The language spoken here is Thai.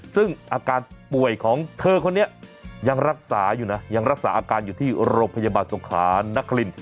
ซึ่งอาการป่วยของเธอคนนี้ยังรักษาอยู่นะยังรักษาอาการอยู่ที่โรงพยาบาลสงขานคริน